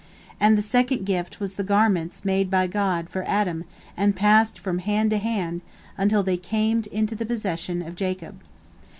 And the second gift was the garments made by God for Adam and passed from hand to hand, until they came into the possession of Jacob.